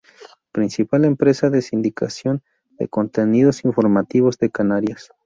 Principal empresa de sindicación de contenidos informativos de Canarias.